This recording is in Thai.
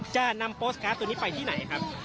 จะนำโปสตการ์ดตัวนี้ไปที่ไหนครับ